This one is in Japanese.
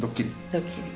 ドッキリ？